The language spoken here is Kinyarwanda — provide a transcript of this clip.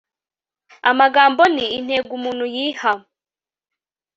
amagambo ni intego umuntu yiha